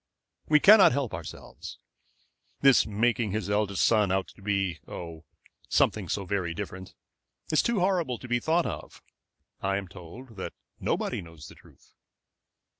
"We cannot help ourselves. This making his eldest son out to be oh, something so very different is too horrible to be thought of. I am told that nobody knows the truth."